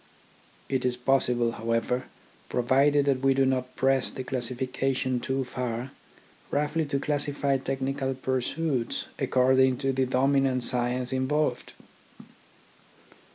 It is possible, however, provided that we do not press the classification too far, roughly to classify technical pursuits according to the dominant science in volved.